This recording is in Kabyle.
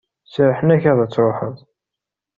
Serrḥen-ak ad truḥeḍ.